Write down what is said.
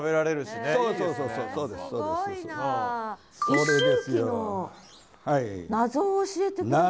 一周忌の謎を教えて下さい。